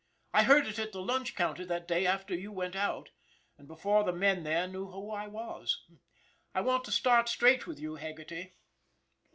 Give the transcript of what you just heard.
I heard it at the lunch counter that day after you went out, and before the men there knew who I was. I want to start straight with you, Haggerty."